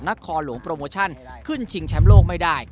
นครหลวงโปรโมชั่นขึ้นชิงแชมป์โลกไม่ได้